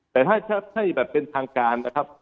แต่ถ้าให้แบบเป็นทางการนะครับ